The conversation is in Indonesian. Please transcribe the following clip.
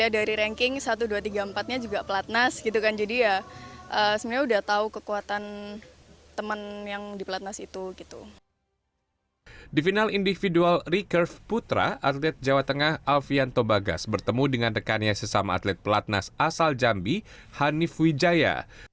di final individual recurve putra atlet jawa tengah alfian tobagas bertemu dengan rekannya sesama atlet pelatnas asal jambi hanif wijaya